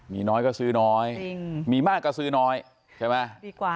มีน้อยก็ซื้อน้อยมีมากก็ซื้อน้อยใช่ไหมดีกว่า